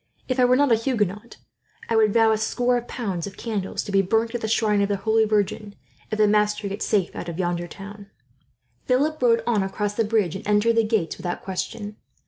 If I were not a Huguenot, I would vow a score of pounds of candles, to be burnt at the shrine of the Holy Virgin, if the master gets safe out of yonder town." Philip rode on across the bridge, and entered the gates without question.